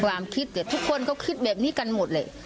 ความคิดทุกคนเขาคิดแบบนี้กันหมดเลย